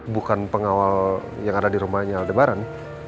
bukan pengawal yang ada di rumahnya lebaran